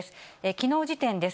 きのう時点です。